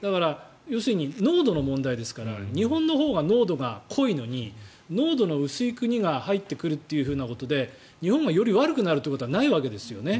濃度の問題ですから日本のほうが濃度が濃いのに濃度が薄い国から入ってくるということで日本がより悪くなるということはないわけですね。